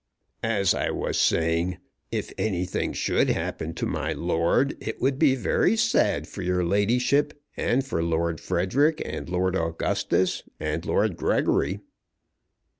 "As I was saying, if anything should happen to my lord it would be very sad for your ladyship and for Lord Frederick, and Lord Augustus, and Lord Gregory."